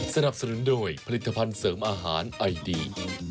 สนับสนุนโดยผลิตภัณฑ์เสริมอาหารไอดี